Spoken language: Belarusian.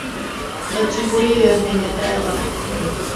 А чаго ёй ад мяне трэба?